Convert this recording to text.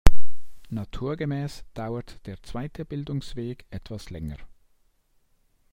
Naturgemäß dauert der zweite Bildungsweg etwas länger.